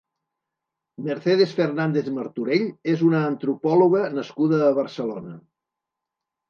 Mercedes Fernández-Martorell és una antropòloga nascuda a Barcelona.